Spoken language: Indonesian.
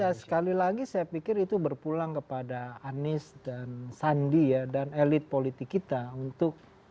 ya sekali lagi saya pikir itu berpulang kepada anies dan sandi ya dan elit politik kita untuk